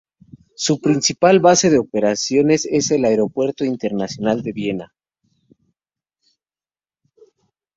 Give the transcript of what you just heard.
Su principal base de operaciones es el Aeropuerto Internacional de Viena.